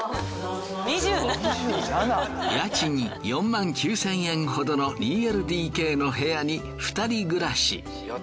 家賃４万９，０００円ほどの２ＬＤＫの部屋に２人暮らし。